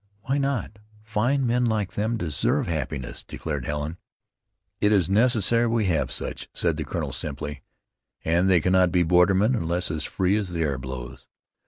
"Why not? Fine men like them deserve happiness," declared Helen. "It is necessary we have such," said the colonel simply, "and they cannot be bordermen unless free as the air blows.